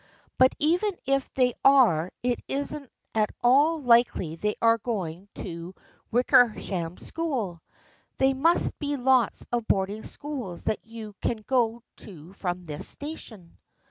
" But even if they are it isn't at all likely they are going to the Wicker sham School. There must be lots of boarding schools that you can go to from this station."